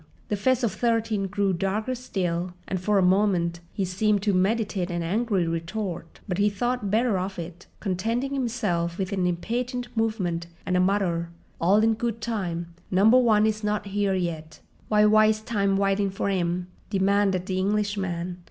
The face of Thirteen grew darker still, and for a moment he seemed to meditate an angry retort; but he thought better of it, contenting himself with an impatient movement and a mutter: "All in good time; Number One is not here yet." "W'y wyste time w'itin' for 'im?" demanded the Englishman.